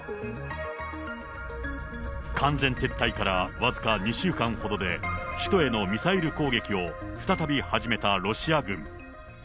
完全撤退から僅か２週間ほどで、首都へのミサイル攻撃を再び始めたロシア軍。